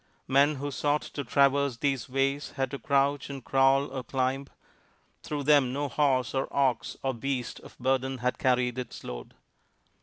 Men who sought to traverse these ways had to crouch and crawl or climb. Through them no horse or ox or beast of burden had carried its load.